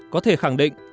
có thể khẳng định